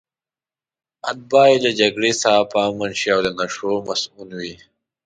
اتباع یې له جګړې څخه په امن شي او له نشو مصئون وي.